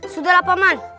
sudah lah paman